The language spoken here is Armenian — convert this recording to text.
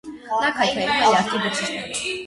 Նա քայքայում է լյարդի բջիջները։